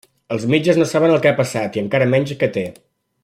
Els metges no saben el que ha passat i encara menys que té.